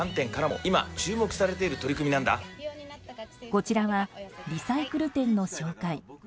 こちらはリサイクル店の紹介。